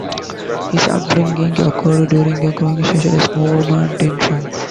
His upbringing occurred during a growing socialist movement in France.